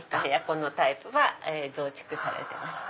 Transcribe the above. このタイプは増築されてます。